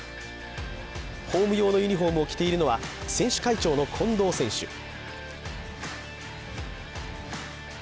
ホーム用のユニフォームを着ているのは選手会長の近藤選手。